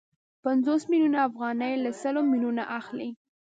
پنځوس میلیونه افغانۍ له سلو میلیونو اخلي